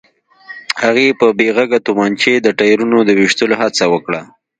هغې په بې غږه تومانچې د ټايرونو د ويشتلو هڅه وکړه.